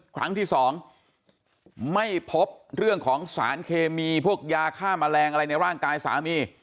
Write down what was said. ครั้งที่สองไม่พบเรื่องของสารเคมีพวกยาฆ่าแมลงอะไรในร่างกายสามี